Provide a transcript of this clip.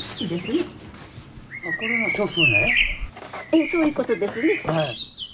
ええそういうことですね。